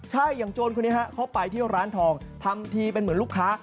ใช่อย่างโจรคนนี้ฮะเขาไปที่ร้านทองทำทีเป็นเหมือนลูกค้า